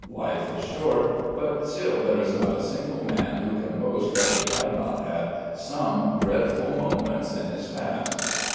Life is short; but still there is not a single man who can boast that he had not had some dreadful moments in his past.